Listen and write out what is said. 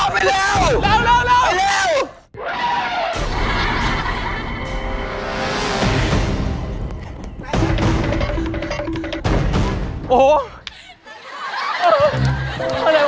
พี่พุ่งหนักไล่มาก